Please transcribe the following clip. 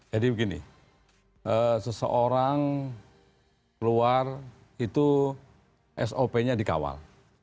jadi begini seseorang keluar itu sop nya dikawal